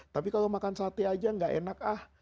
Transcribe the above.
tapi kalau makan sate aja gak enak ah